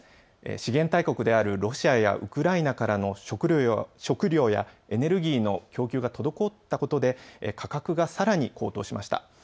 資源大国であるロシアやウクライナからの食料やエネルギーの供給が滞ったことで価格がさらに高騰しました。